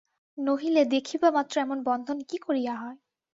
নহিলে দেখিবামাত্র এমন বন্ধন কী করিয়া হয়।